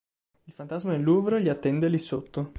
Il fantasma del Louvre li attende lì sotto.